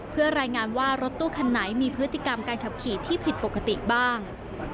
เพื่อรายงานว่ารถตู้คันไหนมีพฤติกรรมการขับขี่ที่ผิดปกติบ้าง